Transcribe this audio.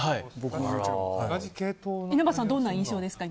稲葉さん、どんな印象ですか？